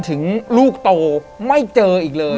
แต่ขอให้เรียนจบปริญญาตรีก่อน